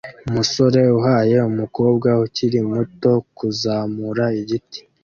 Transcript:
Umusore uhaye umukobwa ukiri muto kuzamura igiti